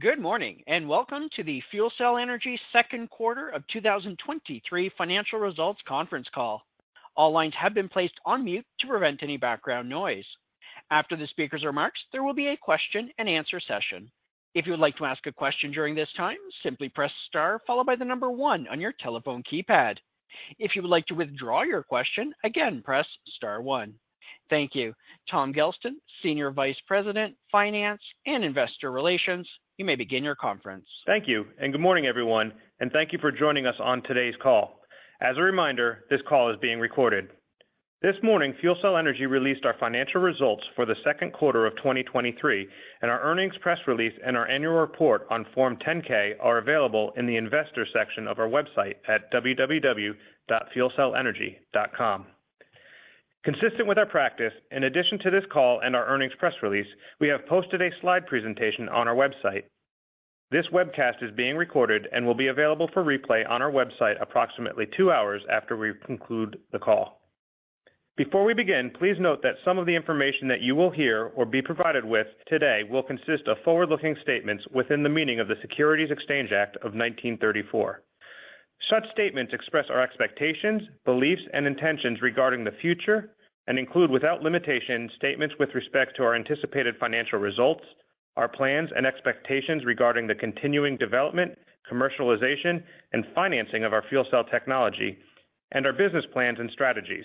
Good morning, and welcome to the FuelCell Energy 2Q of 2023 financial results conference call. All lines have been placed on mute to prevent any background noise. After the speaker's remarks, there will be a question-and-answer session. If you would like to ask a question during this time, simply press Star followed by the number 1 on your telephone keypad. If you would like to withdraw your question, again, press Star 1. Thank you. Tom Gelston, Senior Vice President, Finance, and Investor Relations, you may begin your conference. Thank you, and good morning, everyone, and thank you for joining us on today's call. As a reminder, this call is being recorded. This morning, FuelCell Energy released our financial results for the 2Q of 2023, and our earnings press release and our annual report on Form 10-K are available in the investor section of our website at www.fuelcellenergy.com. Consistent with our practice, in addition to this call and our earnings press release, we have posted a slide presentation on our website. This webcast is being recorded and will be available for replay on our website approximately two hours after we conclude the call. Before we begin, please note that some of the information that you will hear or be provided with today will consist of forward-looking statements within the meaning of the Securities Exchange Act of 1934. Such statements express our expectations, beliefs, and intentions regarding the future and include, without limitation, statements with respect to our anticipated financial results, our plans and expectations regarding the continuing development, commercialization, and financing of our fuel cell technology, and our business plans and strategies.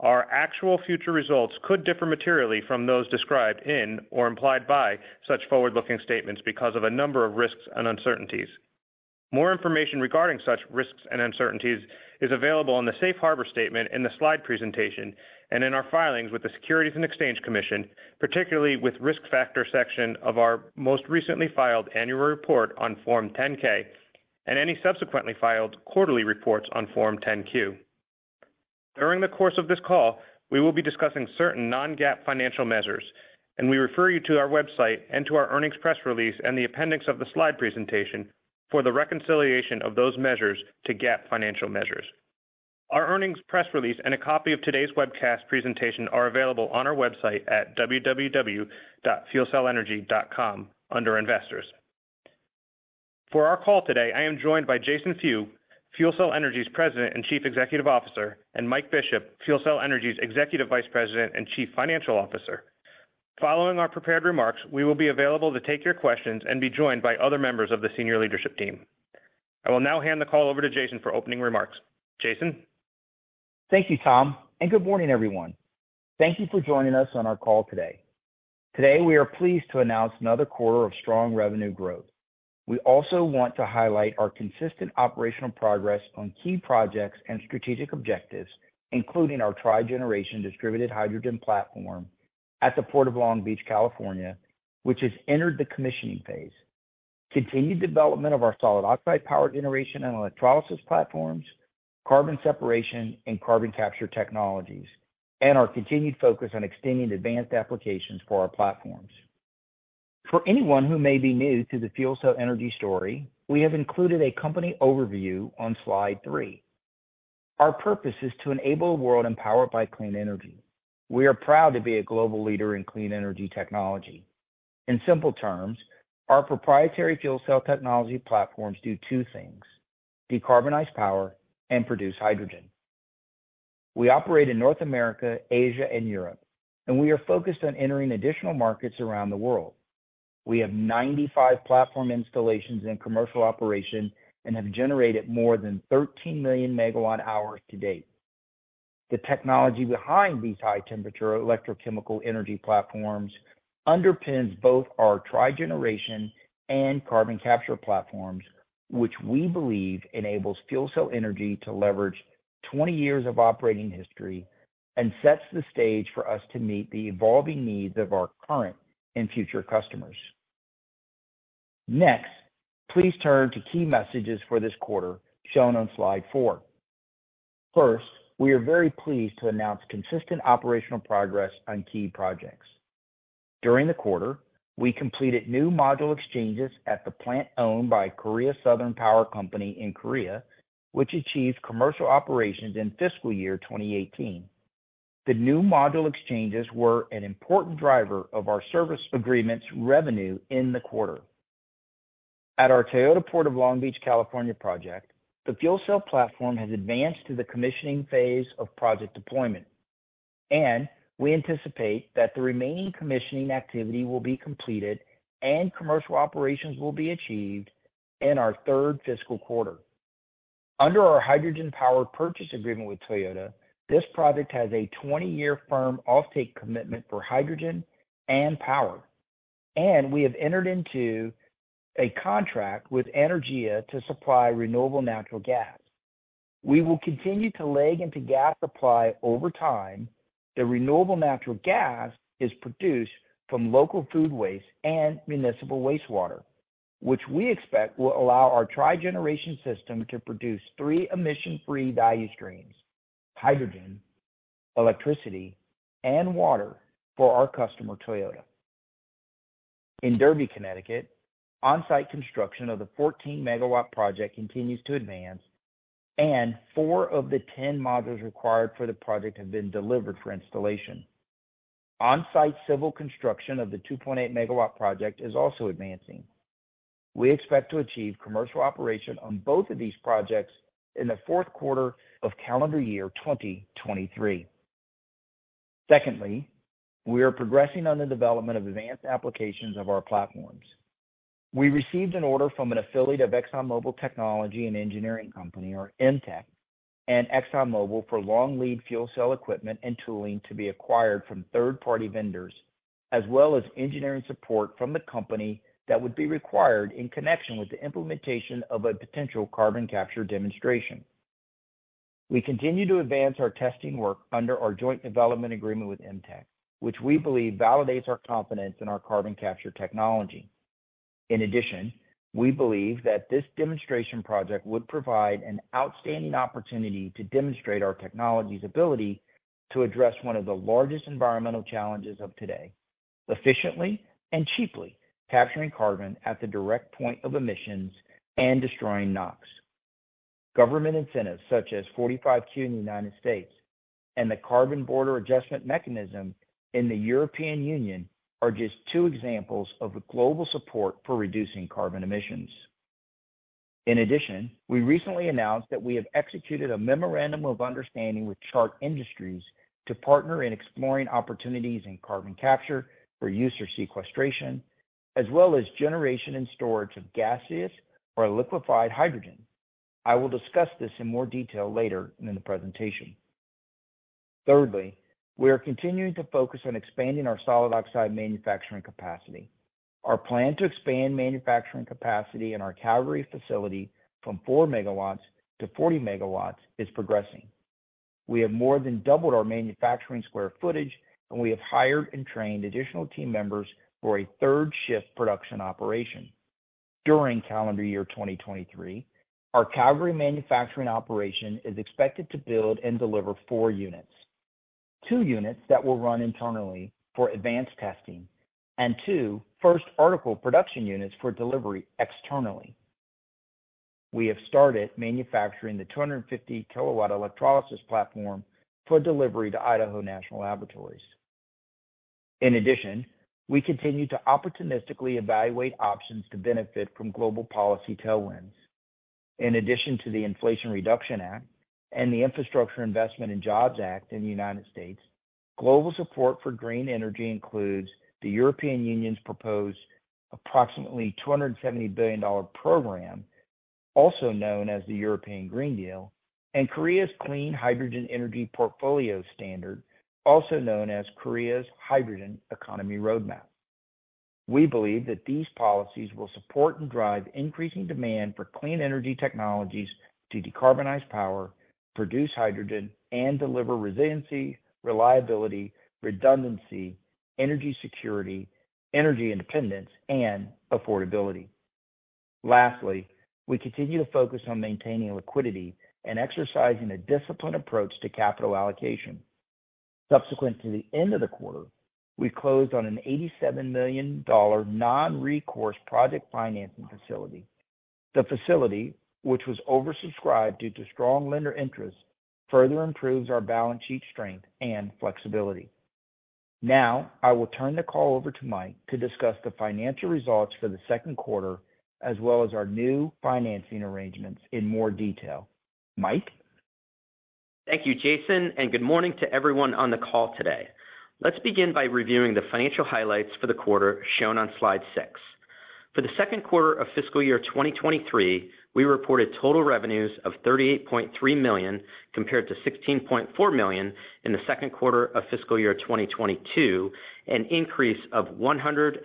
Our actual future results could differ materially from those described in or implied by such forward-looking statements because of a number of risks and uncertainties. More information regarding such risks and uncertainties is available in the Safe Harbor statement in the slide presentation and in our filings with the Securities and Exchange Commission, particularly with risk factor section of our most recently filed annual report on Form 10-K, and any subsequently filed quarterly reports on Form 10-Q. During the course of this call, we will be discussing certain non-GAAP financial measures. We refer you to our website and to our earnings press release and the appendix of the slide presentation for the reconciliation of those measures to GAAP financial measures. Our earnings press release and a copy of today's webcast presentation are available on our website at www.fuelcellenergy.com under Investors. For our call today, I am joined by Jason Few, FuelCell Energy's President and Chief Executive Officer, and Mike Bishop, FuelCell Energy's Executive Vice President and Chief Financial Officer. Following our prepared remarks, we will be available to take your questions and be joined by other members of the senior leadership team. I will now hand the call over to Jason Few for opening remarks. Jason Few? Thank you, Tom. Good morning, everyone. Thank you for joining us on our call today. Today, we are pleased to announce another quarter of strong revenue growth. We also want to highlight our consistent operational progress on key projects and strategic objectives, including our Trigeneration distributed hydrogen platform at the Port of Long Beach, California, which has entered the commissioning phase, continued development of our solid oxide power generation and electrolysis platforms, carbon separation and carbon capture technologies, and our continued focus on extending advanced applications for our platforms. For anyone who may be new to the FuelCell Energy story, we have included a company overview on slide three. Our purpose is to enable a world empowered by clean energy. We are proud to be a global leader in clean energy technology. In simple terms, our proprietary fuel cell technology platforms do two things: decarbonize power and produce hydrogen. We operate in North America, Asia, and Europe, and we are focused on entering additional markets around the world. We have 95 platform installations in commercial operation and have generated more than 13 million MW-hours to date. The technology behind these high-temperature electrochemical energy platforms underpins both our trigeneration and carbon capture platforms, which we believe enables FuelCell Energy to leverage 20 years of operating history and sets the stage for us to meet the evolving needs of our current and future customers. Please turn to key messages for this quarter, shown on slide 4. We are very pleased to announce consistent operational progress on key projects. During the quarter, we completed new module exchanges at the plant owned by Korea Southern Power Company in Korea, which achieved commercial operations in fiscal year 2018. The new module exchanges were an important driver of our service agreements revenue in the quarter. At our Toyota Port of Long Beach, California, project, the fuel cell platform has advanced to the commissioning phase of project deployment, and we anticipate that the remaining commissioning activity will be completed and commercial operations will be achieved in our third fiscal quarter. Under our hydrogen power purchase agreement with Toyota, this project has a 20-year firm offtake commitment for hydrogen and power, and we have entered into a contract with Anaergia to supply renewable natural gas. We will continue to leg into gas supply over time. The renewable natural gas is produced from local food waste and municipal wastewater, which we expect will allow our trigeneration system to produce three emission-free value streams: hydrogen, electricity, and water for our customer, Toyota. In Derby, Connecticut, on-site construction of the 14-MW project continues to advance. Four of the 10 modules required for the project have been delivered for installation. On-site civil construction of the 2.8-MW project is also advancing. We expect to achieve commercial operation on both of these projects in the 4Q of calendar year 2023. Secondly, we are progressing on the development of advanced applications of our platforms. We received an order from an affiliate of ExxonMobil Technology and Engineering Company, or EMTEC, and ExxonMobil for long lead fuel cell equipment and tooling to be acquired from third-party vendors, as well as engineering support from the company that would be required in connection with the implementation of a potential carbon capture demonstration. We continue to advance our testing work under our joint development agreement with EMTEC, which we believe validates our confidence in our carbon capture technology. We believe that this demonstration project would provide an outstanding opportunity to demonstrate our technology's ability to address one of the largest environmental challenges of today, efficiently and cheaply capturing carbon at the direct point of emissions and destroying NOx. Government incentives such as 45Q in the United States and the Carbon Border Adjustment Mechanism in the European Union, are just two examples of the global support for reducing carbon emissions. We recently announced that we have executed a memorandum of understanding with Chart Industries to partner in exploring opportunities in carbon capture for use or sequestration, as well as generation and storage of gaseous or liquefied hydrogen. I will discuss this in more detail later in the presentation. Thirdly, we are continuing to focus on expanding our solid oxide manufacturing capacity. Our plan to expand manufacturing capacity in our Calgary facility from 4 MWs to 40 MWs is progressing. We have more than doubled our manufacturing square footage, and we have hired and trained additional team members for a third shift production operation. During calendar year 2023, our Calgary manufacturing operation is expected to build and deliver four units: two units that will run internally for advanced testing and two first article production units for delivery externally. We have started manufacturing the 250 KW electrolysis platform for delivery to Idaho National Laboratory. We continue to opportunistically evaluate options to benefit from global policy tailwinds. In addition to the Inflation Reduction Act and the Infrastructure Investment and Jobs Act in the United States, global support for green energy includes the European Union's proposed approximately $270 billion program, also known as the European Green Deal, and Korea's Clean Hydrogen Energy Portfolio Standard, also known as Korea's Hydrogen Economy Roadmap. We believe that these policies will support and drive increasing demand for clean energy technologies to decarbonize power, produce hydrogen, and deliver resiliency, reliability, redundancy, energy security, energy independence, and affordability. Lastly, we continue to focus on maintaining liquidity and exercising a disciplined approach to capital allocation. Subsequent to the end of the quarter, we closed on an $87 million non-recourse project financing facility. The facility, which was oversubscribed due to strong lender interest, further improves our balance sheet strength and flexibility. Now, I will turn the call over to Mike to discuss the financial results for the 2Q, as well as our new financing arrangements in more detail. Mike? Thank you, Jason. Good morning to everyone on the call today. Let's begin by reviewing the financial highlights for the quarter shown on slide 6. For the 2Q of fiscal year 2023, we reported total revenues of $38.3 million, compared to $16.4 million in the 2Q of fiscal year 2022, an increase of 134%.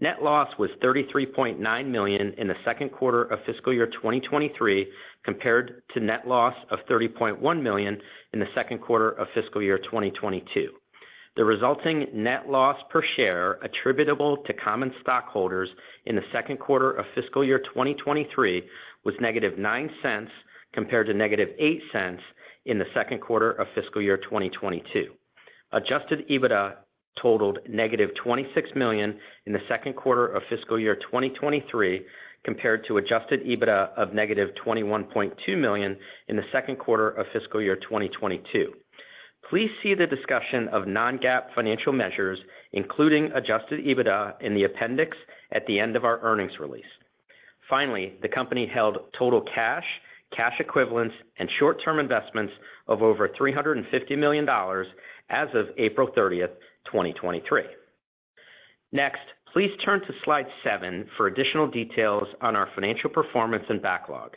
Net loss was $33.9 million in the 2Q of fiscal year 2023, compared to net loss of $30.1 million in the 2Q of fiscal year 2022. The resulting net loss per share attributable to common stockholders in the 2Q of fiscal year 2023 was -$0.09, compared to - $0.08 in the 2Q of fiscal year 2022. Adjusted EBITDA totaled -$26 million in the 2Q of fiscal year 2023, compared to adjusted EBITDA of -$21.2 million in the 2Q of fiscal year 2022. Please see the discussion of non-GAAP financial measures, including adjusted EBITDA, in the appendix at the end of our earnings release. The company held total cash equivalents, and short-term investments of over $350 million as of 30 April 2023. Please turn to slide seven for additional details on our financial performance and backlog.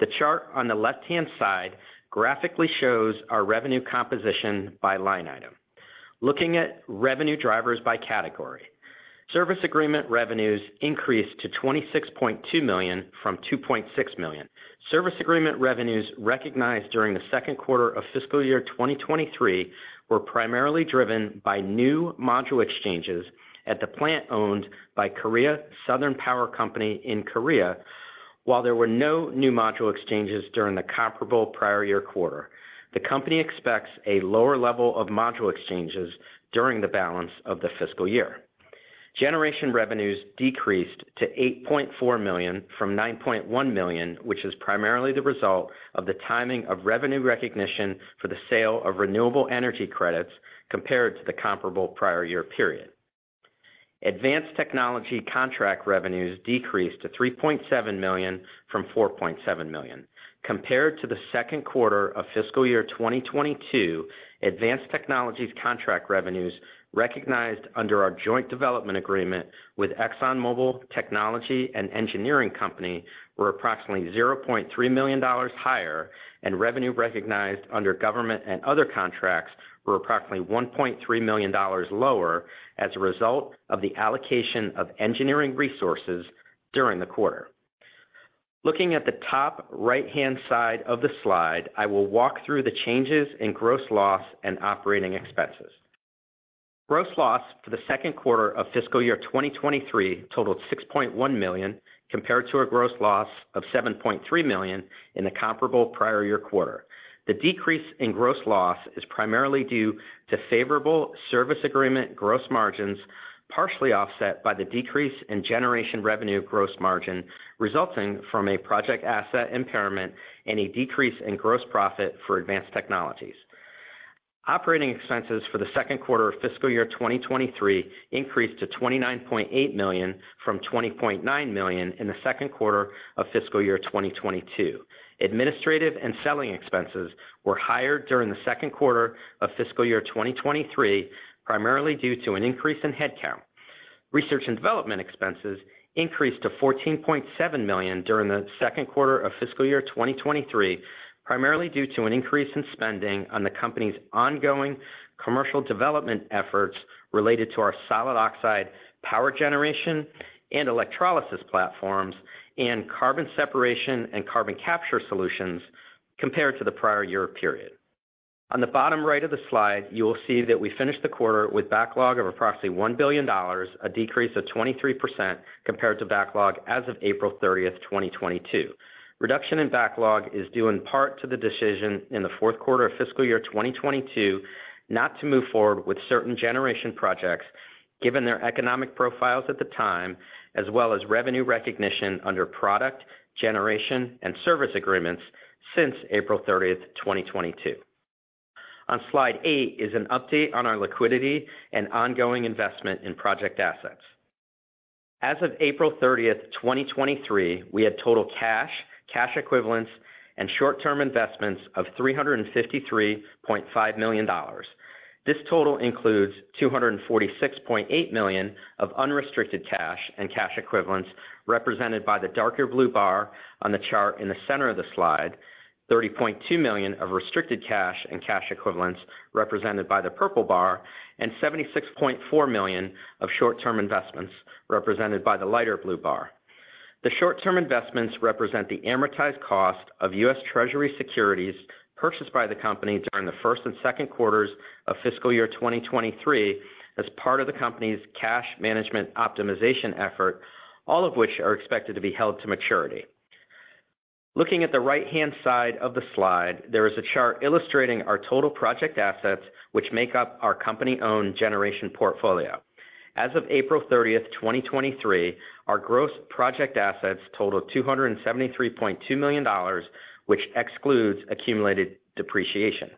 The chart on the left-hand side graphically shows our revenue composition by line item. Looking at revenue drivers by category, service agreement revenues increased to $26.2 million from $2.6 million. Service agreement revenues recognized during the 2Q of fiscal year 2023 were primarily driven by new module exchanges at the plant owned by Korea Southern Power Company in Korea. While there were no new module exchanges during the comparable prior year quarter, the company expects a lower level of module exchanges during the balance of the fiscal year. Generation revenues decreased to $8.4 million from $9.1 million, which is primarily the result of the timing of revenue recognition for the sale of renewable energy credits compared to the comparable prior year period. Advanced technology contract revenues decreased to $3.7 million from $4.7 million. Compared to the 2Q of fiscal year 2022, advanced technologies contract revenues recognized under our joint development agreement with ExxonMobil Technology and Engineering Company, were approximately $0.3 million higher, and revenue recognized under government and other contracts were approximately $1.3 million lower as a result of the allocation of engineering resources during the quarter. Looking at the top right-hand side of the slide, I will walk through the changes in gross loss and operating expenses. Gross loss for the 2Q of fiscal year 2023 totaled $6.1 million, compared to a gross loss of $7.3 million in the comparable prior year quarter. The decrease in gross loss is primarily due to favorable service agreement gross margins, partially offset by the decrease in generation revenue gross margin, resulting from a project asset impairment and a decrease in gross profit for advanced technologies. OpEx for the 2Q of fiscal year 2023 increased to $29.8 million from $20.9 million in the 2Q of fiscal year 2022. Administrative and selling expenses were higher during the 2Q of fiscal year 2023, primarily due to an increase in headcount. R&D expenses increased to $14.7 million during the 2Q of fiscal year 2023, primarily due to an increase in spending on the company's ongoing commercial development efforts related to our solid oxide power generation and electrolysis platforms, and carbon separation and carbon capture solutions compared to the prior year period. On the bottom right of the slide, you will see that we finished the quarter with backlog of approximately $1 billion, a decrease of 23% compared to backlog as of 30 April 2022. Reduction in backlog is due in part to the decision in the 4Q of fiscal year 2022, not to move forward with certain generation projects, given their economic profiles at the time, as well as revenue recognition under product, generation, and service agreements since 30 April 2022. On Slide eight is an update on our liquidity and ongoing investment in project assets. As of 30 April 2023, we had total cash equivalents, and short-term investments of $353.5 million. This total includes $246.8 million of unrestricted cash and cash equivalents, represented by the darker blue bar on the chart in the center of the slide, $30.2 million of restricted cash and cash equivalents, represented by the purple bar, and $76.4 million of short-term investments, represented by the lighter blue bar. The short-term investments represent the amortized cost of U.S. Treasury securities purchased by the company during the first and 2Qs of fiscal year 2023, as part of the company's cash management optimization effort, all of which are expected to be held to maturity. Looking at the right-hand side of the slide, there is a chart illustrating our total project assets, which make up our company-owned generation portfolio. As of 30 April 2023, our gross project assets totaled $273.2 million, which excludes accumulated depreciation.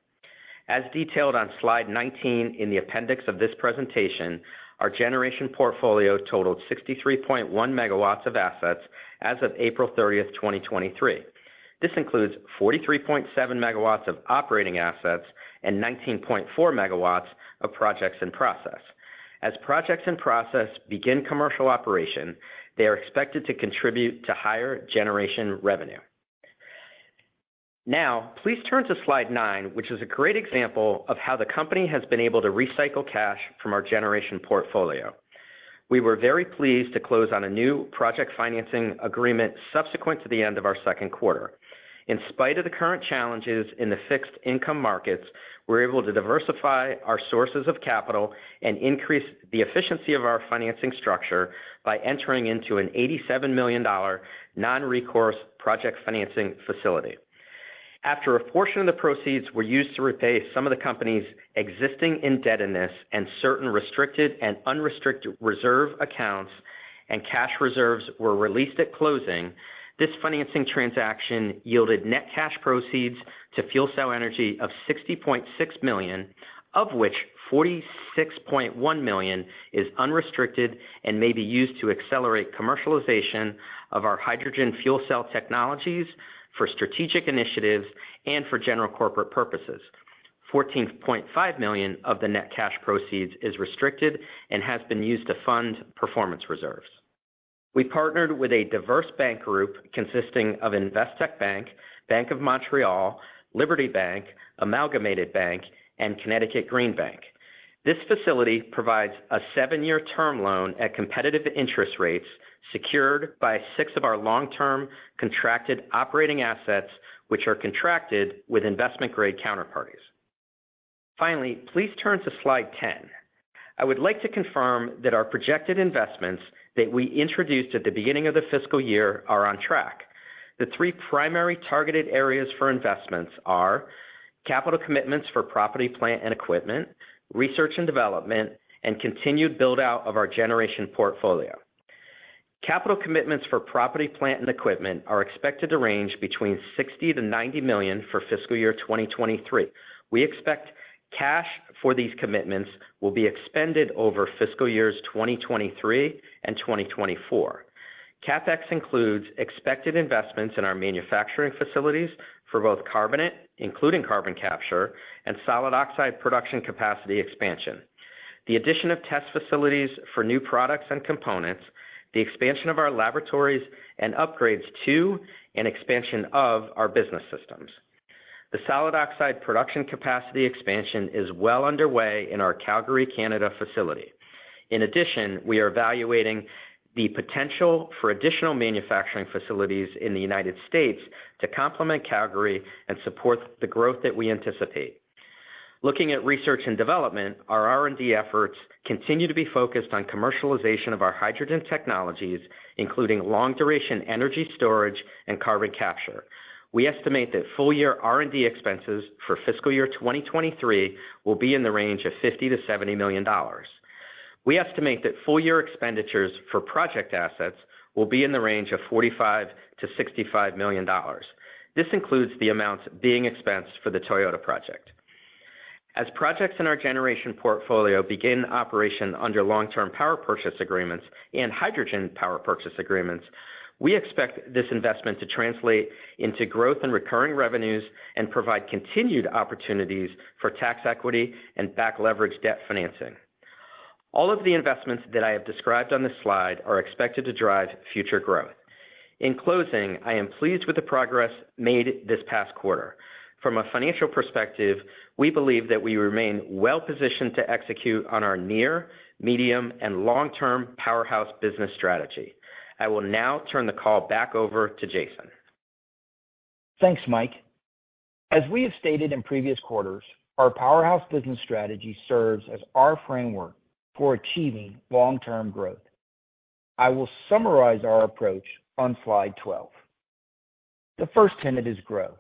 As detailed on Slide 19 in the appendix of this presentation, our generation portfolio totaled 63.1 MWs of assets as of 30 April 2023. This includes 43.7 MWs of operating assets and 19.4 MWs of projects in process. As projects in process begin commercial operation, they are expected to contribute to higher generation revenue. Please turn to Slide nine, which is a great example of how the company has been able to recycle cash from our generation portfolio. We were very pleased to close on a new project financing agreement subsequent to the end of our 2Q. In spite of the current challenges in the fixed income markets, we're able to diversify our sources of capital and increase the efficiency of our financing structure by entering into an $87 million non-recourse project financing facility. After a portion of the proceeds were used to repay some of the company's existing indebtedness and certain restricted and unrestricted reserve accounts and cash reserves were released at closing, this financing transaction yielded net cash proceeds to FuelCell Energy of $60.6 million, of which $46.1 million is unrestricted and may be used to accelerate commercialization of our hydrogen fuel cell technologies for strategic initiatives and for general corporate purposes. $14.5 million of the net cash proceeds is restricted and has been used to fund performance reserves. We partnered with a diverse bank group consisting of Investec Bank of Montreal, Liberty Bank, Amalgamated Bank, and Connecticut Green Bank. This facility provides a seven-year term loan at competitive interest rates, secured by six of our long-term contracted operating assets, which are contracted with investment-grade counterparties. Finally, please turn to Slide 10. I would like to confirm that our projected investments that we introduced at the beginning of the fiscal year are on track. The three primary targeted areas for investments are capital commitments for property, plant, and equipment, research and development, and continued build-out of our generation portfolio. Capital commitments for property, plant, and equipment are expected to range between $60 million-$90 million for fiscal year 2023. We expect cash for these commitments will be expended over fiscal years 2023 and 2024. CapEx includes expected investments in our manufacturing facilities for both carbonate, including carbon capture, and solid oxide production capacity expansion, the addition of test facilities for new products and components, the expansion of our laboratories, and upgrades to and expansion of our business systems. The solid oxide production capacity expansion is well underway in our Calgary, Canada facility. In addition, we are evaluating the potential for additional manufacturing facilities in the United States to complement Calgary and support the growth that we anticipate. Looking at research and development, our R&D efforts continue to be focused on commercialization of our hydrogen technologies, including long-duration energy storage and carbon capture. We estimate that full-year R&D expenses for fiscal year 2023 will be in the range of $50 million-$70 million. We estimate that full-year expenditures for project assets will be in the range of $45 million-$65 million. This includes the amounts being expensed for the Toyota project. As projects in our generation portfolio begin operation under long-term power purchase agreements and hydrogen power purchase agreements, we expect this investment to translate into growth in recurring revenues and provide continued opportunities for tax equity and back-leveraged debt financing. All of the investments that I have described on this slide are expected to drive future growth. In closing, I am pleased with the progress made this past quarter. From a financial perspective, we believe that we remain well positioned to execute on our near, medium, and long-term Powerhouse business strategy. I will now turn the call back over to Jason. Thanks, Mike. As we have stated in previous quarters, our Powerhouse business strategy serves as our framework for achieving long-term growth. I will summarize our approach on slide 12. The first tenet is growth.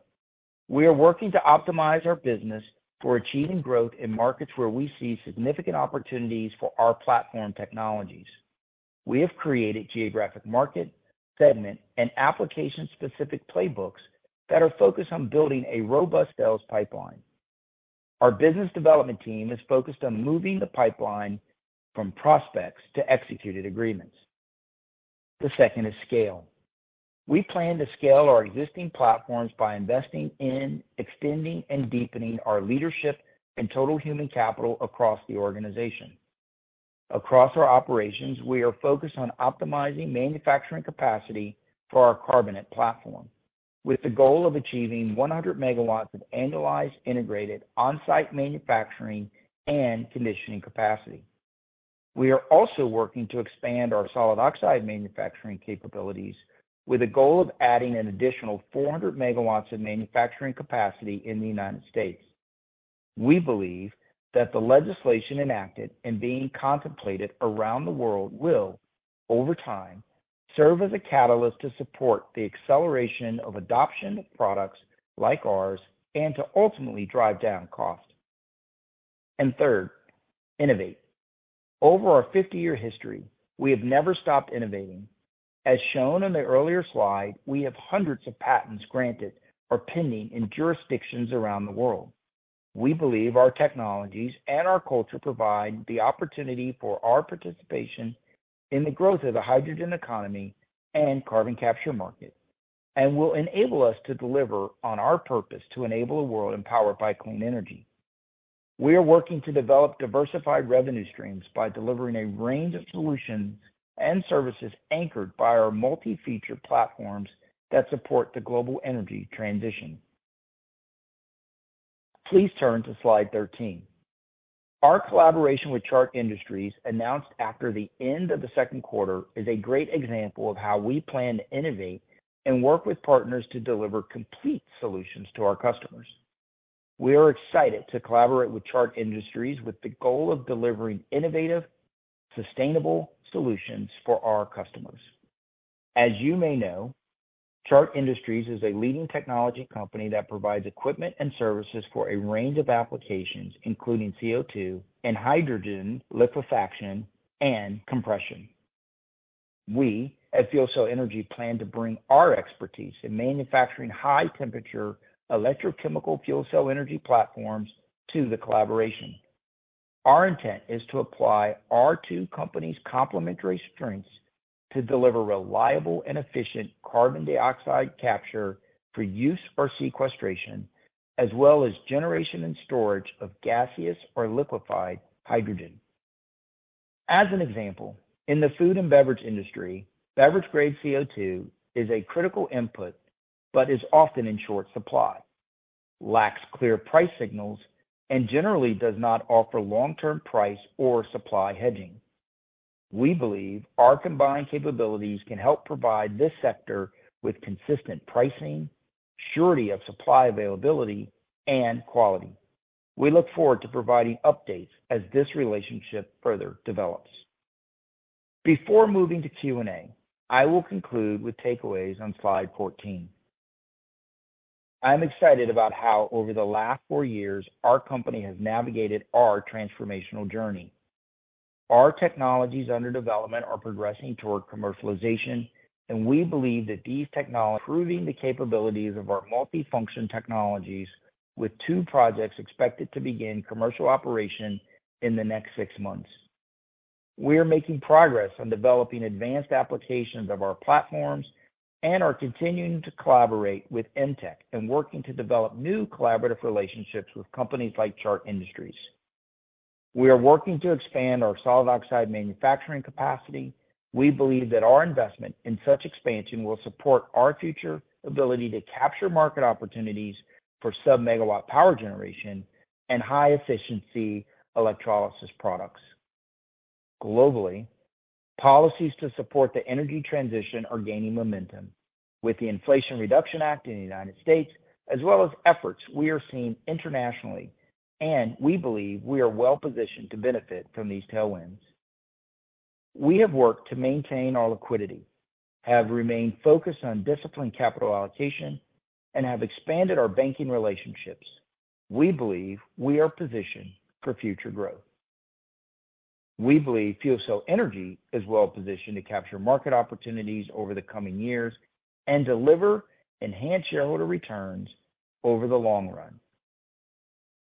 We are working to optimize our business for achieving growth in markets where we see significant opportunities for our platform technologies. We have created geographic market, segment, and application-specific playbooks that are focused on building a robust sales pipeline. Our business development team is focused on moving the pipeline from prospects to executed agreements. The second is scale. We plan to scale our existing platforms by investing in extending and deepening our leadership and total human capital across the organization. Across our operations, we are focused on optimizing manufacturing capacity for our carbonate platform, with the goal of achieving 100 MWs of annualized, integrated, on-site manufacturing and commissioning capacity. We are also working to expand our solid oxide manufacturing capabilities, with a goal of adding an additional 400 MWs of manufacturing capacity in the United States. We believe that the legislation enacted and being contemplated around the world will, over time, serve as a catalyst to support the acceleration of adoption of products like ours and to ultimately drive down cost. Third, innovate. Over our 50-year history, we have never stopped innovating. As shown in the earlier slide, we have hundreds of patents granted or pending in jurisdictions around the world. We believe our technologies and our culture provide the opportunity for our participation in the growth of the Hydrogen Economy and carbon capture market and will enable us to deliver on our purpose to enable a world empowered by clean energy. We are working to develop diversified revenue streams by delivering a range of solutions and services anchored by our multi-feature platforms that support the global energy transition. Please turn to slide 13. Our collaboration with Chart Industries, announced after the end of the 2Q, is a great example of how we plan to innovate and work with partners to deliver complete solutions to our customers. We are excited to collaborate with Chart Industries with the goal of delivering innovative, sustainable solutions for our customers. As you may know, Chart Industries is a leading technology company that provides equipment and services for a range of applications, including CO2 and hydrogen liquefaction and compression. We at FuelCell Energy plan to bring our expertise in manufacturing high-temperature electrochemical fuel cell energy platforms to the collaboration. Our intent is to apply our two companies' complementary strengths to deliver reliable and efficient carbon dioxide capture for use for sequestration, as well as generation and storage of gaseous or liquefied hydrogen. As an example, in the food and beverage industry, beverage-grade CO2 is a critical input but is often in short supply, lacks clear price signals, and generally does not offer long-term price or supply hedging. We believe our combined capabilities can help provide this sector with consistent pricing, surety of supply availability, and quality. We look forward to providing updates as this relationship further develops. Before moving to Q&A, I will conclude with takeaways on slide 14. I'm excited about how, over the last four years, our company has navigated our transformational journey. Our technologies under development are progressing toward commercialization, and we believe that these technology, proving the capabilities of our multifunction technologies, with two projects expected to begin commercial operation in the next six months. We are making progress on developing advanced applications of our platforms and are continuing to collaborate with EMTEC and working to develop new collaborative relationships with companies like Chart Industries. We are working to expand our solid oxide manufacturing capacity. We believe that our investment in such expansion will support our future ability to capture market opportunities for sub-MW power generation and high efficiency electrolysis products. Globally, policies to support the energy transition are gaining momentum, with the Inflation Reduction Act in the United States, as well as efforts we are seeing internationally, and we believe we are well positioned to benefit from these tailwinds. We have worked to maintain our liquidity, have remained focused on disciplined capital allocation, and have expanded our banking relationships. We believe we are positioned for future growth. We believe FuelCell Energy is well positioned to capture market opportunities over the coming years and deliver enhanced shareholder returns over the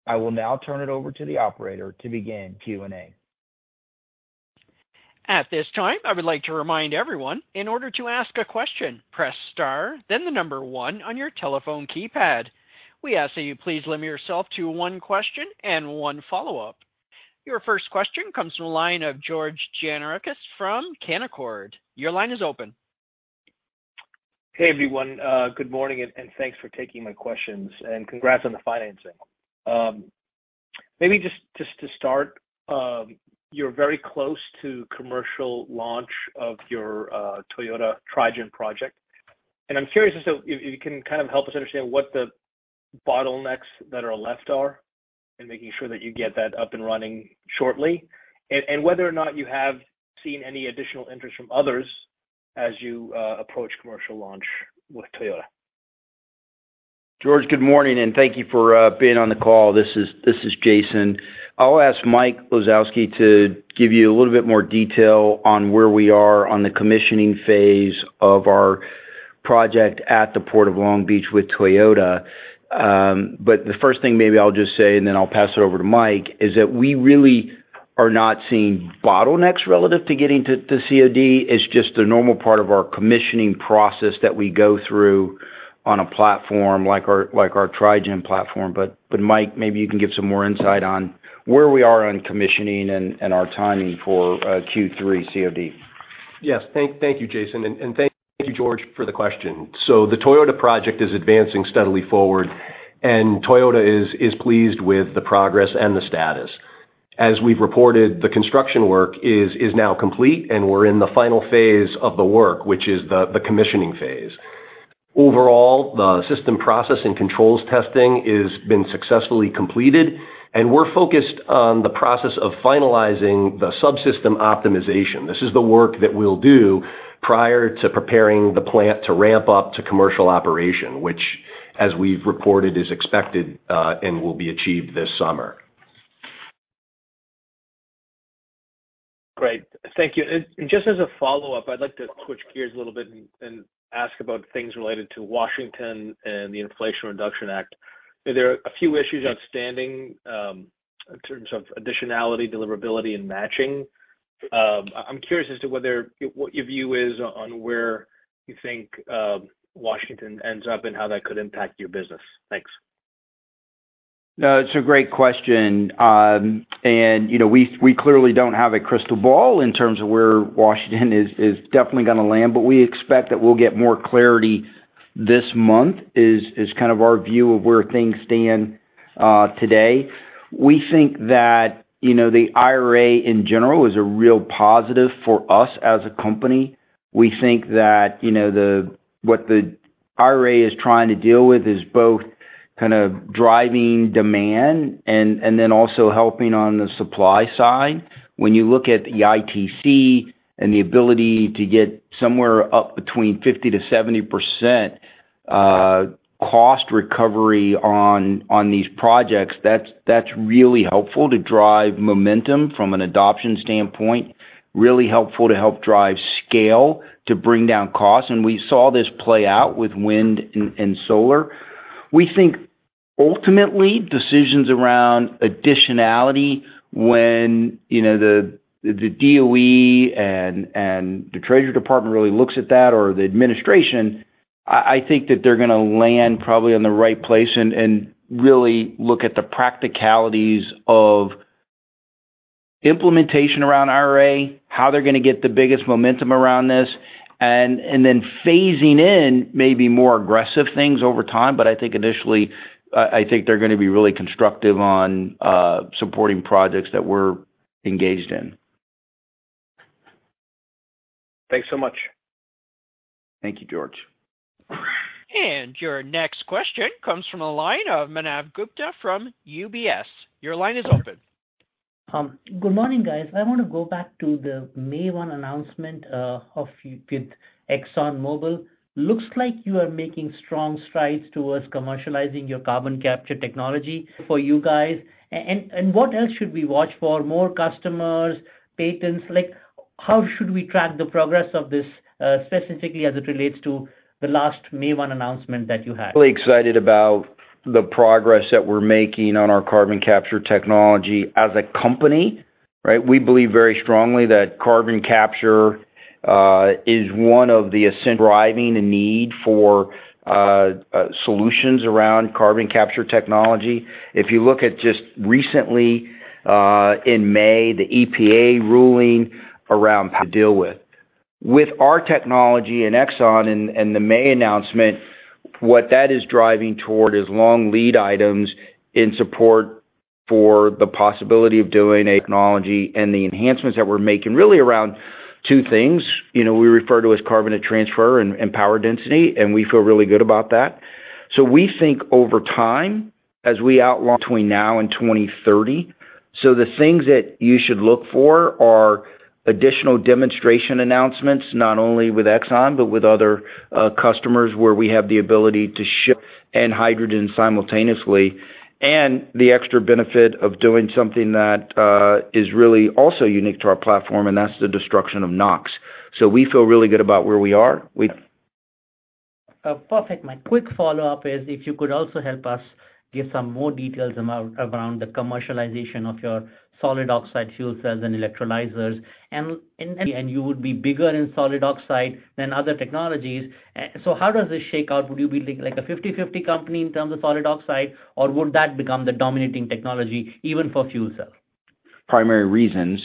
long run. I will now turn it over to the operator to begin Q&A. At this time, I would like to remind everyone, in order to ask a question, press star, then the number one on your telephone keypad. We ask that you please limit yourself to one question and one follow-up. Your first question comes from the line of George Gianarikas from Canaccord. Your line is open. Hey, everyone, good morning, and thanks for taking my questions, and congrats on the financing. Maybe just to start, you're very close to commercial launch of your Toyota Tri-gen project. I'm curious as to if you can kind of help us understand what the bottlenecks that are left are in making sure that you get that up and running shortly, and whether or not you have seen any additional interest from others as you approach commercial launch with Toyota. George, good morning, and thank you for being on the call. This is Jason. I'll ask Mike Lisowski to give you a little bit more detail on where we are on the commissioning phase of our project at the Port of Long Beach with Toyota. The first thing maybe I'll just say, and then I'll pass it over to Mike, is that we really are not seeing bottlenecks relative to getting to COD. It's just a normal part of our commissioning process that we go through on a platform like our Tri-gen platform. Mike, maybe you can give some more insight on where we are on commissioning and our timing for Q3 COD. Thank you, Jason, and thank you, George, for the question. The Toyota project is advancing steadily forward, and Toyota is pleased with the progress and the status. As we've reported, the construction work is now complete, and we're in the final phase of the work, which is the commissioning phase. Overall, the system process and controls testing is been successfully completed, and we're focused on the process of finalizing the subsystem optimization. This is the work that we'll do prior to preparing the plant to ramp up to commercial operation, which, as we've reported, is expected and will be achieved this summer. Great. Thank you. Just as a follow-up, I'd like to switch gears a little bit and ask about things related to Washington and the Inflation Reduction Act. There are a few issues outstanding in terms of additionality, deliverability, and matching. I'm curious as to whether, what your view is on where you think Washington ends up and how that could impact your business. Thanks. No, it's a great question. You know, we clearly don't have a crystal ball in terms of where Washington is definitely gonna land, but we expect that we'll get more clarity this month, is kind of our view of where things stand today. We think that, you know, the IRA, in general, is a real positive for us as a company. We think that, you know, what the IRA is trying to deal with is both kind of driving demand and then also helping on the supply side. When you look at the ITC and the ability to get somewhere up between 50% to 70% cost recovery on these projects, that's really helpful to drive momentum from an adoption standpoint, really helpful to help drive scale, to bring down costs. We saw this play out with wind and solar. We think ultimately, decisions around additionality when, you know, the DOE and the Treasury Department really looks at that or the administration, I think that they're gonna land probably in the right place and really look at the practicalities of implementation around IRA, how they're gonna get the biggest momentum around this, and then phasing in maybe more aggressive things over time. I think initially, I think they're gonna be really constructive on supporting projects that we're engaged in. Thanks so much. Thank you, George. Your next question comes from the line of Manav Gupta from UBS. Your line is open. Good morning, guys. I want to go back to the May 1 announcement with ExxonMobil. Looks like you are making strong strides towards commercializing your carbon capture technology for you guys. What else should we watch for? More customers, patents? Like, how should we track the progress of this specifically as it relates to the last 1 May announcement that you had? Really excited about the progress that we're making on our carbon capture technology as a company, right? We believe very strongly that carbon capture is one of the essential driving the need for solutions around carbon capture technology. If you look at just recently, in May, the EPA ruling around deal with our technology and Exxon and the May announcement, what that is driving toward is long lead items in support for the possibility of doing a technology and the enhancements that we're making, really around two things: you know, we refer to as carbonate transfer and power density, and we feel really good about that. We think over time, as we outlast between now and 2030. The things that you should look for are additional demonstration announcements, not only with Exxon, but with other customers, where we have the ability to ship and hydrogen simultaneously, and the extra benefit of doing something that is really also unique to our platform, and that's the destruction of NOx. We feel really good about where we are. Perfect. My quick follow-up is, if you could also help us give some more details about, around the commercialization of your solid oxide fuel cells and electrolyzers. You would be bigger in solid oxide than other technologies. How does this shake out? Would you be like a 50/50 company in terms of solid oxide, or would that become the dominating technology, even for fuel cell? Primary reasons.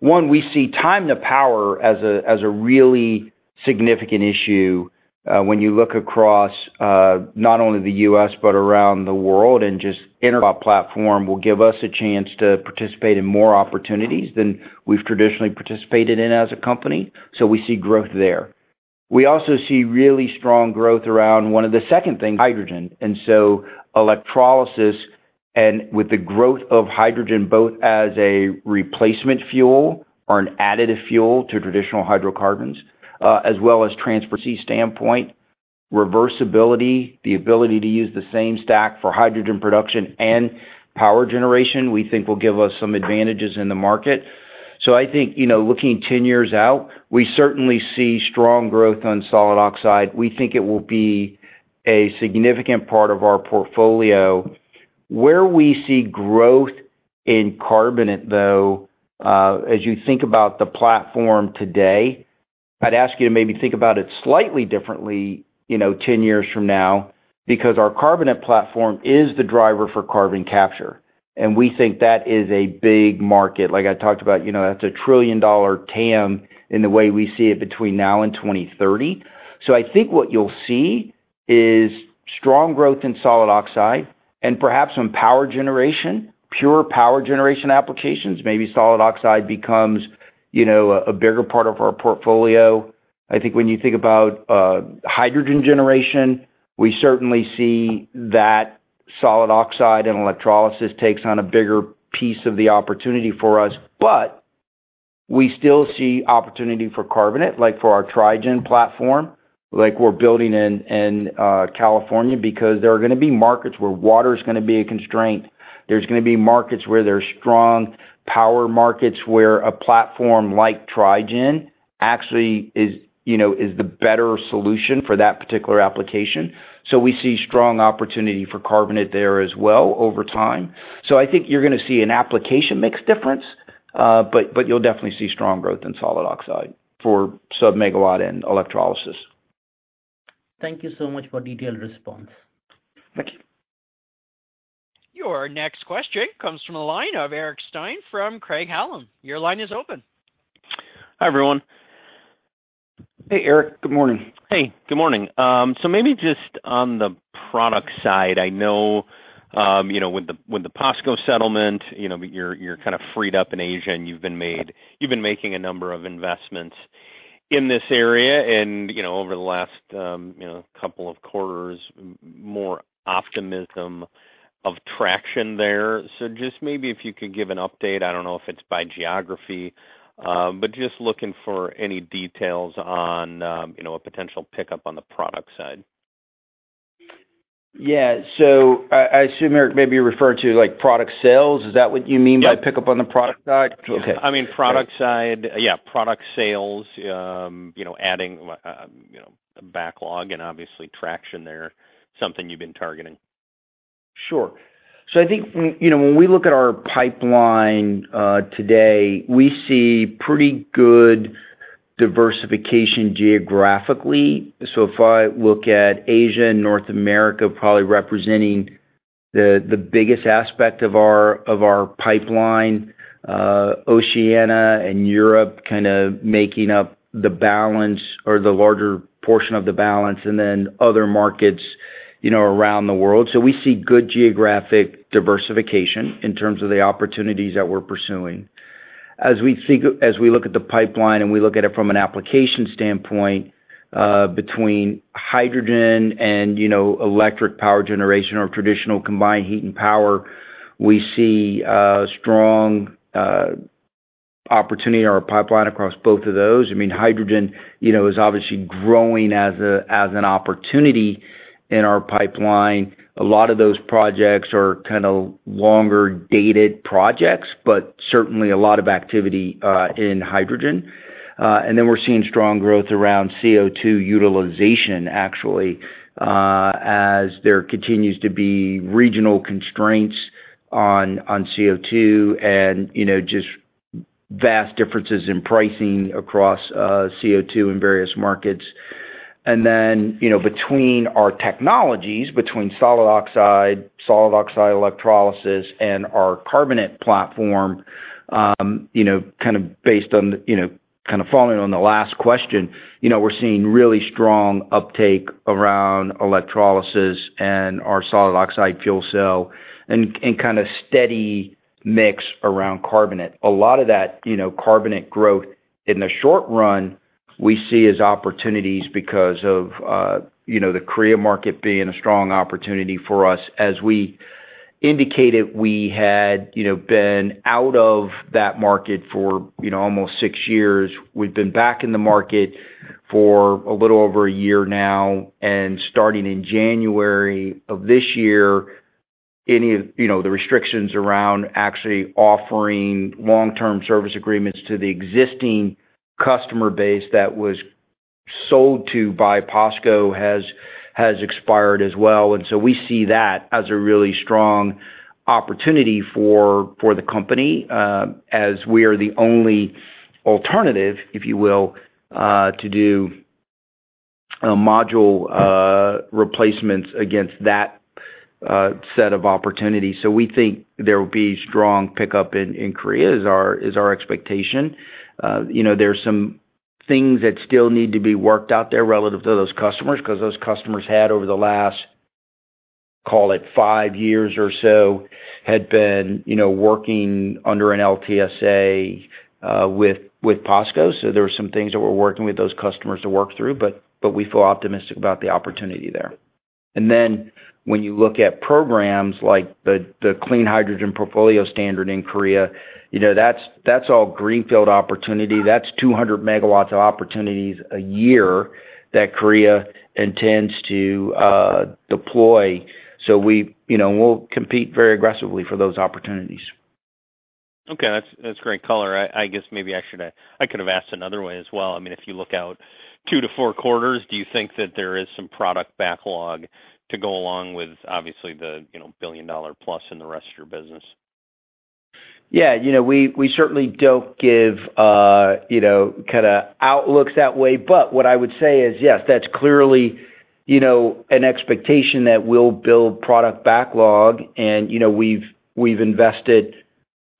One, we see time to power as a really significant issue when you look across not only the U.S. but around the world. Just interop platform will give us a chance to participate in more opportunities than we've traditionally participated in as a company. We see growth there. We also see really strong growth around one of the second things, hydrogen. Electrolysis and with the growth of hydrogen, both as a replacement fuel or an additive fuel to traditional hydrocarbons, as well as transfer standpoint, reversibility, the ability to use the same stack for hydrogen production and power generation, we think will give us some advantages in the market. I think, you know, looking 10 years out, we certaI&Ly see strong growth on solid oxide. We think it will be a significant part of our portfolio. Where we see growth in carbonate, though, as you think about the platform today, I'd ask you to maybe think about it slightly differently, you know, 10 years from now, because our carbonate platform is the driver for carbon capture, and we think that is a big market. Like I talked about, you know, that's a $1 trillion TAM in the way we see it between now and 2030. I think what you'll see is strong growth in solid oxide and perhaps some power generation, pure power generation applications. Maybe solid oxide becomes, you know, a bigger part of our portfolio. I think when you think about hydrogen generation, we certaI&Ly see that solid oxide and electrolysis takes on a bigger piece of the opportunity for us. We still see opportunity for carbonate, like for our Tri-gen platform, like we're building in California, because there are gonna be markets where water is gonna be a constraint. There's gonna be markets where there are strong power markets, where a platform like Tri-gen actually is, you know, is the better solution for that particular application. I see strong opportunity for carbonate there as well, over time. I think you're gonna see an application mix difference, but you'll definitely see strong growth in solid oxide for sub-MW and electrolysis. Thank you so much for detailed response. Thank you. Your next question comes from the line of Eric Stine from Craig-Hallum. Your line is open. Hi, everyone. Hey, Eric. Good morning. Hey, good morning. Maybe just on the product side, I know, you know, with the, with the POSCO settlement, you know, you're kind of freed up in Asia, and you've been making a number of investments in this area, and, you know, over the last, you know, couple of quarters, more optimism of traction there. Just maybe if you could give an update, I don't know if it's by geography, but just looking for any details on, you know, a potential pickup on the product side? Yeah. I assume, Eric, maybe you're referring to, like, product sales. Is that what you mean- Yep. -by pickup on the product side? Okay. I mean, product side, yeah, product sales, you know, adding, you know, backlog and obviously traction there, something you've been targeting. Sure. I think, you know, when we look at our pipeline today, we see pretty good diversification geographically. If I look at Asia and North America, probably representing the biggest aspect of our pipeline, Oceania and Europe kind of making up the balance or the larger portion of the balance, and then other markets, you know, around the world. We see good geographic diversification in terms of the opportunities that we're pursuing. As we look at the pipeline and we look at it from an application standpoint, between hydrogen and, you know, electric power generation or traditional combined heat and power, we see strong opportunity in our pipeline across both of those. I mean, hydrogen, you know, is obviously growing as an opportunity in our pipeline. A lot of those projects are kinda longer-dated projects, but certaI&Ly a lot of activity in hydrogen. Then we're seeing strong growth around CO2 utilization, actually, as there continues to be regional constraints on CO2 and, you know, just vast differences in pricing across CO2 in various markets. Then, you know, between our technologies, between solid oxide, solid oxide electrolysis, and our carbonate platform, you know, kind of based on, you know, kind of following on the last question, you know, we're seeing really strong uptake around electrolysis and our solid oxide fuel cell, and kinda steady mix around carbonate. A lot of that, you know, carbonate growth in the short run, we see as opportunities because of, you know, the Korea market being a strong opportunity for us. As we indicated, we had, you know, been out of that market for, you know, almost six years. We've been back in the market for a little over one year now, starting in January of this year, any of, you know, the restrictions around actually offering long-term service agreements to the existing customer base that was sold to by POSCO has expired as well. We see that as a really strong opportunity for the company, as we are the only alternative, if you will, to do module replacements against that set of opportunities. We think there will be strong pickup in Korea, is our expectation. You know, there's some things that still need to be worked out there relative to those customers, 'cause those customers had, over the last, call it five years or so, had been, you know, working under an LTSA with POSCO. There are some things that we're working with those customers to work through, but we feel optimistic about the opportunity there. When you look at programs like the Clean Hydrogen Portfolio Standard in Korea, you know, that's all greenfield opportunity. That's 200 MWs of opportunities a year that Korea intends to deploy. We, you know, we'll compete very aggressively for those opportunities. Okay. That's, that's great color. I guess maybe I could have asked another way as well. I mean, if you look out two to four quarters, do you think that there is some product backlog to go along with obviously the, you know, billion-dollar plus in the rest of your business? You know, we certaI&Ly don't give, you know, kinda outlooks that way, but what I would say is, yes, that's clearly, you know, an expectation that we'll build product backlog. You know, we've invested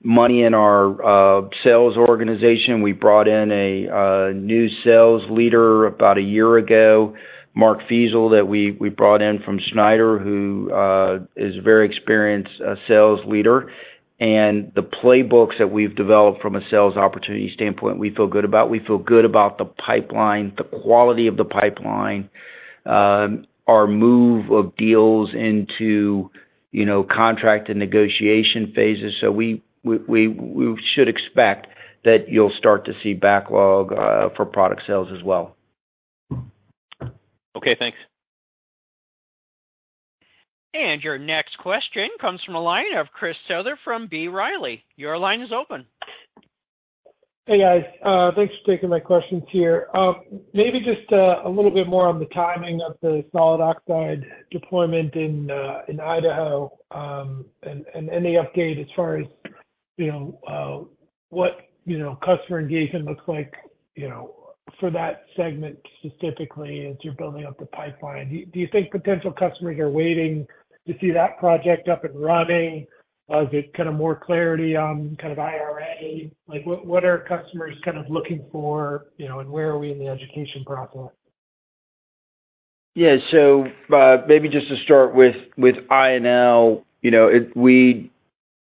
money in our sales organization. We brought in a new sales leader about a year ago, Mark Feasel, that we brought in from Schneider, who is a very experienced sales leader. The playbooks that we've developed from a sales opportunity standpoint, we feel good about. We feel good about the pipeline, the quality of the pipeline, our move of deals into, you know, contract and negotiation phases. We should expect that you'll start to see backlog for product sales as well. Okay, thanks. Your next question comes from the line of Chris Souther from B. Riley. Your line is open. Hey, guys. Thanks for taking my questions here. Maybe just a little bit more on the timing of the solid oxide deployment in Idaho, and any update as far as, you know, what, you know, customer engagement looks like, you know, for that segment specifically as you're building out the pipeline. Do you think potential customers are waiting to see that project up and running? Is it kind of more clarity on kind of IRA? Like, what are customers kind of looking for, you know, and where are we in the education process? Maybe just to start with I&L, you know, we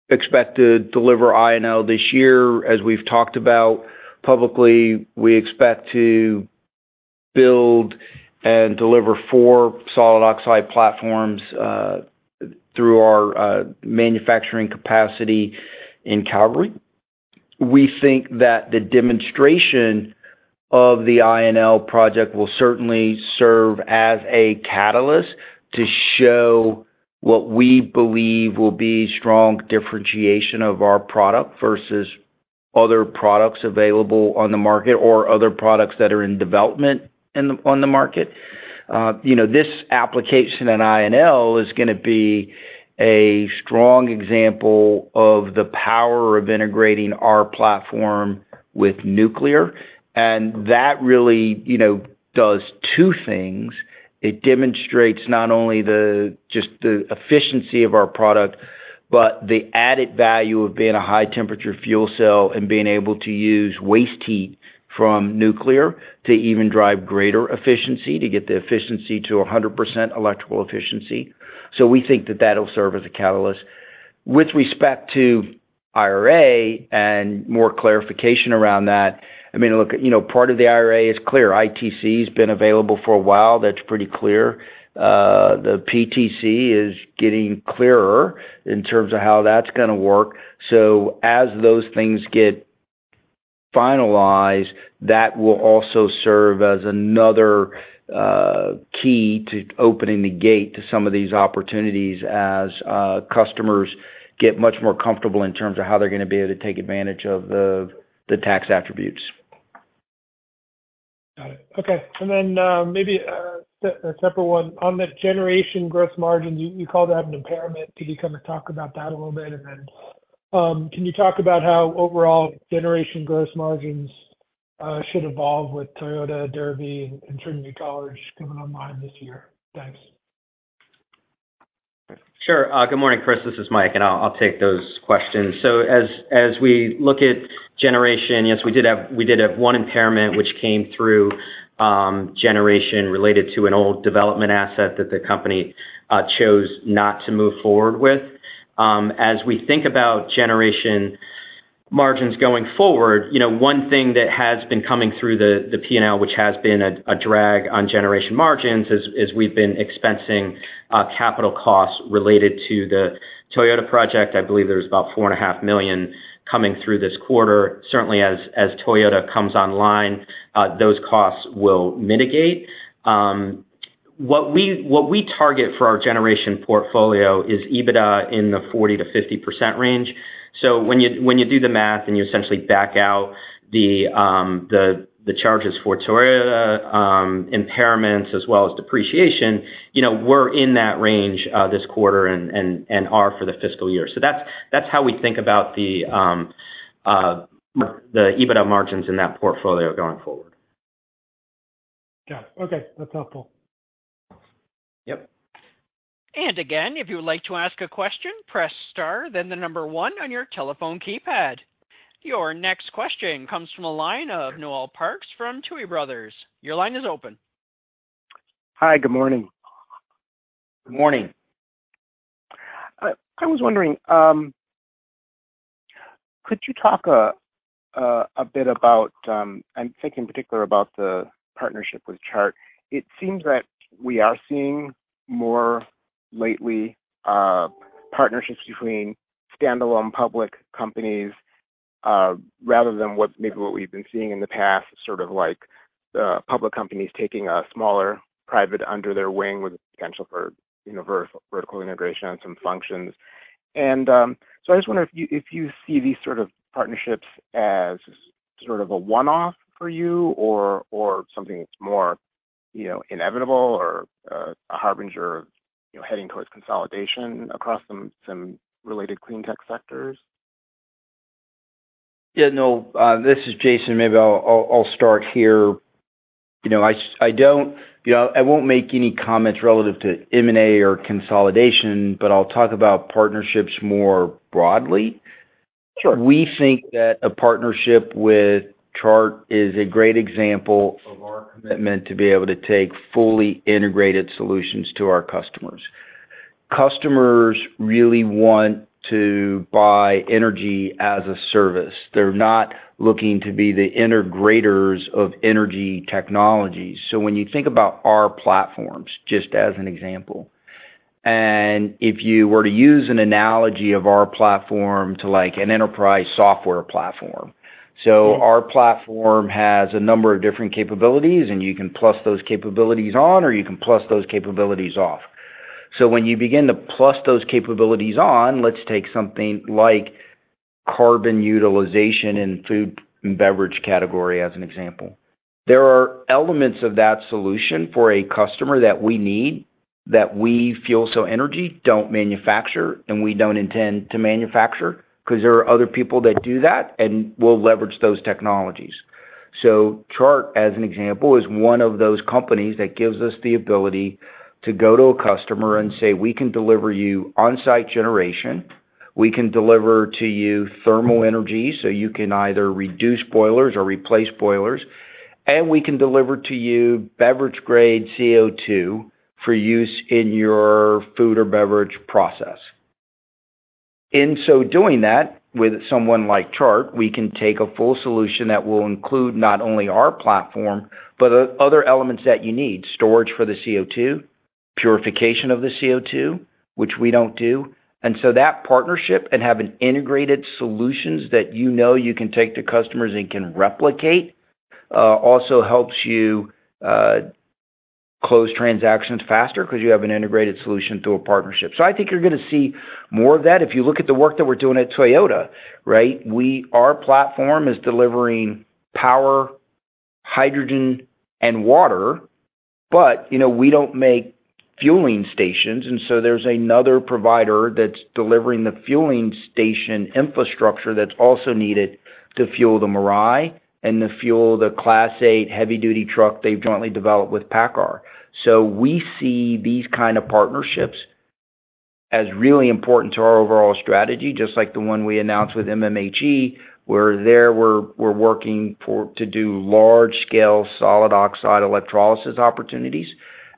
expect to deliver I&L this year. As we've talked about publicly, we expect to build and deliver 4 solid oxide platforms, through our manufacturing capacity in Calgary. We think that the demonstration of the I&L project will certaI&Ly serve as a catalyst to show what we believe will be strong differentiation of our product versus other products available on the market or other products that are in development on the market. You know, this application in I&L is gonna be a strong example of the power of integrating our platform with nuclear, and that really, you know, does 2 things. It demonstrates not only the efficiency of our product, but the added value of being a high-temperature fuel cell and being able to use waste heat from nuclear to even drive greater efficiency, to get the efficiency to 100% electrical efficiency. We think that that'll serve as a catalyst. With respect to IRA and more clarification around that, I mean, look, you know, part of the IRA is clear. ITC has been available for a while. That's pretty clear. The PTC is getting clearer in terms of how that's going to work. As those things get finalized, that will also serve as another key to opening the gate to some of these opportunities as customers get much more comfortable in terms of how they're going to be able to take advantage of the tax attributes. Got it. Okay. Maybe, a separate one. On the generation gross margin, you called out have an impairment. Can you kind of talk about that a little bit? Can you talk about how overall generation gross margins should evolve with Toyota, Derby, and Trinity College coming online this year? Thanks. Sure. Good morning, Chris, this is Mike, and I'll take those questions. As we look at generation, yes, we did have one impairment which came through generation related to an old development asset that the company chose not to move forward with. As we think about generation margins going forward, you know, one thing that has been coming through the P&L, which has been a drag on generation margins, is we've been expensing capital costs related to the Toyota project. I believe there's about $4.5 million coming through this quarter. As Toyota comes online, those costs will mitigate. What we target for our generation portfolio is EBITDA in the 40%-50% range. When you, when you do the math and you essentially back out the, the charges for Toyota, impairments as well as depreciation, you know, we're in that range, this quarter and are for the fiscal year. That's, that's how we think about the EBITDA margins in that portfolio going forward. Got it. Okay. That's helpful. Yep. Again, if you would like to ask a question, press star, then the number 1 on your telephone keypad. Your next question comes from the line of Noel Parks from Tuohy Brothers. Your line is open. Hi, good morning. Good morning. I was wondering, could you talk a bit about? I'm thinking in particular about the partnership with Chart. It seems that we are seeing more lately, partnerships between standalone public companies, rather than what maybe what we've been seeing in the past, sort of like, public companies taking a smaller private under their wing with the potential for, you know, vertical integration and some functions. So I just wonder if you, if you see these sort of partnerships as sort of a one-off for you or something that's more, you know, inevitable or a harbinger of, you know, heading towards consolidation across some related clean tech sectors? Yeah, Noel, this is Jason. Maybe I'll start here. You know, I won't make any comments relative to M&A or consolidation. I'll talk about partnerships more broadly. Sure. We think that a partnership with Chart is a great example of our commitment to be able to take fully integrated solutions to our customers. Customers really want to buy energy as a service. They're not looking to be the integrators of energy technologies. When you think about our platforms, just as an example, and if you were to use an analogy of our platform to like an enterprise software platform. Mm-hmm. Our platform has a number of different capabilities, and you can plus those capabilities on, or you can plus those capabilities off. When you begin to plus those capabilities on, let's take something like carbon utilization in food and beverage category as an example. There are elements of that solution for a customer that we need, FuelCell Energy, don't manufacture and we don't intend to manufacture, because there are other people that do that, and we'll leverage those technologies. Chart, as an example, is one of those companies that gives us the ability to go to a customer and say: We can deliver you on-site generation. We can deliver to you thermal energy, so you can either reduce boilers or replace boilers, and we can deliver to you beverage-grade CO2 for use in your food or beverage process. In so doing that, with someone like Chart, we can take a full solution that will include not only our platform, but other elements that you need, storage for the CO2, purification of the CO2, which we don't do. That partnership and have an integrated solutions that you know you can take to customers and can replicate, also helps you close transactions faster because you have an integrated solution through a partnership. I think you're going to see more of that. If you look at the work that we're doing at Toyota, right? Our platform is delivering power, hydrogen, and water, but, you know, we don't make fueling stations, there's another provider that's delivering the fueling station infrastructure that's also needed to fuel the Mirai and to fuel the Class 8 heavy-duty truck they've jointly developed with PACCAR. We see these kind of partnerships as really important to our overall strategy, just like the one we announced with MMHE, where there we're working to do large-scale solid oxide electrolysis opportunities.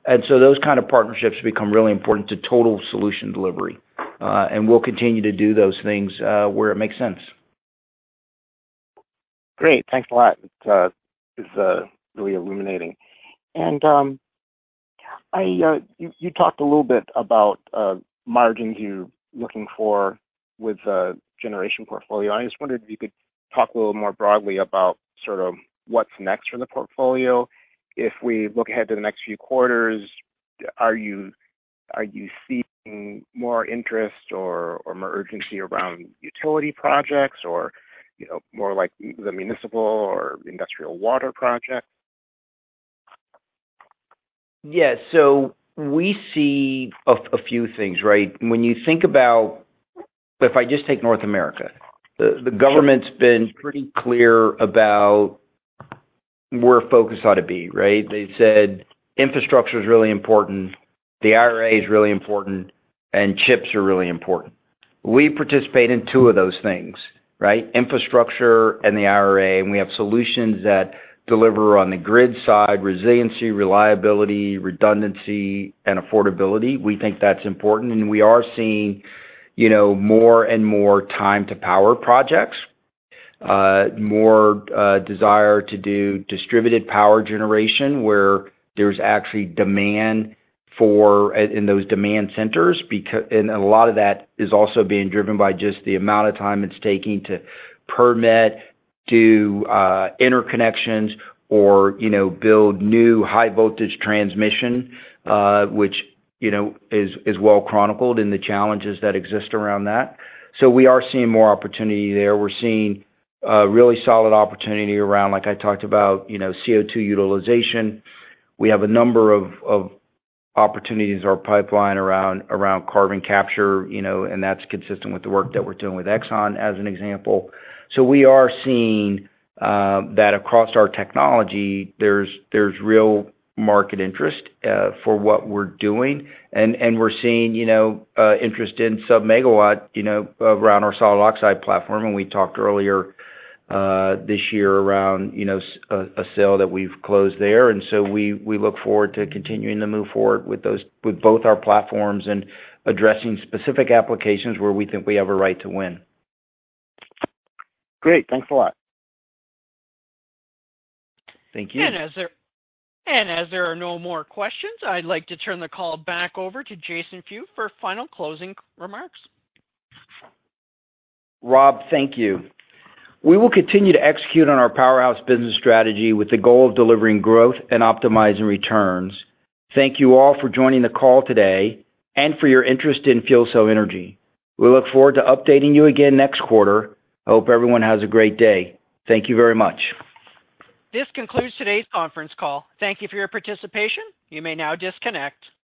Those kind of partnerships become really important to total solution delivery. We'll continue to do those things where it makes sense. Great. Thanks a lot. It's really illuminating. I, you talked a little bit about margins you're looking for with the generation portfolio. I just wondered if you could talk a little more broadly about sort of what's next for the portfolio. If we look ahead to the next few quarters, are you seeing more interest or more urgency around utility projects or, you know, more like the municipal or industrial water projects? Yes. We see a few things, right? When you think if I just take North America, the government's been pretty clear about where focus ought to be, right? They said infrastructure is really important, the IRA is really important, and chips are really important. We participate in two of those things, right? Infrastructure and the IRA, we have solutions that deliver on the grid side, resiliency, reliability, redundancy, and affordability. We think that's important, and we are seeing, you know, more and more time to power projects, more desire to do distributed power generation, where there's actually demand for in those demand centers, and a lot of that is also being driven by just the amount of time it's taking to permit, do interconnections, or, you know, build new high voltage transmission, which, you know, is well chronicled in the challenges that exist around that. We are seeing more opportunity there. We're seeing really solid opportunity around, like I talked about, you know, CO2 utilization. We have a number of opportunities in our pipeline around carbon capture, you know, and that's consistent with the work that we're doing with Exxon, as an example. We are seeing that across our technology, there's real market interest for what we're doing. We're seeing, you know, interest in sub-MW, you know, around our solid oxide platform. We talked earlier this year around, you know, a sale that we've closed there. We look forward to continuing to move forward with both our platforms and addressing specific applications where we think we have a right to win. Great. Thanks a lot. Thank you. As there are no more questions, I'd like to turn the call back over to Jason Few for final closing remarks. Rob, thank you. We will continue to execute on our Powerhouse business strategy with the goal of delivering growth and optimizing returns. Thank you all for joining the call today, and for your interest in FuelCell Energy. We look forward to updating you again next quarter. I hope everyone has a great day. Thank you very much. This concludes today's conference call. Thank you for your participation. You may now disconnect.